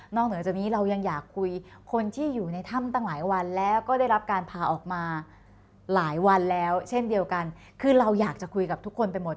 เหนือจากนี้เรายังอยากคุยคนที่อยู่ในถ้ำตั้งหลายวันแล้วก็ได้รับการพาออกมาหลายวันแล้วเช่นเดียวกันคือเราอยากจะคุยกับทุกคนไปหมด